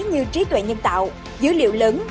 như trí tuệ nhân tạo dữ liệu lớn